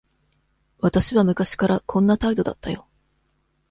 私は昔からこんな態度だったよ。